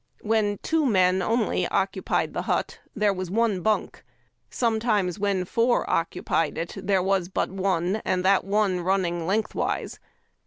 When two men only occupied the hut there was one bunk. Sometimes when four occupied it there was but one, and that one running lengthwise.